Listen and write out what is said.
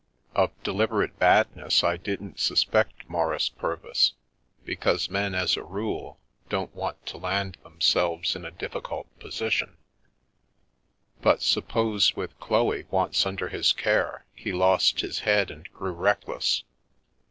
Of deliberate badness I didn't suspect Maurice Purvis, because men as a rule don't want to land themselves in a difficult position, but suppose, with Chloe once under his care, he lost his head and grew reckless?